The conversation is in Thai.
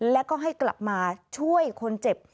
แล้วก็ให้กลับมาช่วยคนเจ็บ